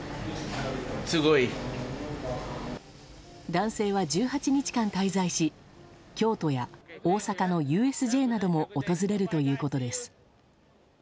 男性は１８日間滞在し京都や大阪のＵＳＪなども訪れるということです。